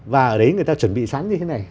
và ở đấy người ta chuẩn bị sẵn như thế này